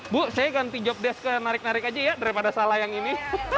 bu saya ganti job desk ke narik narik aja ya daripada salah yang ini